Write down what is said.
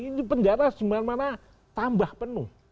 ini penjara dimana mana tambah penuh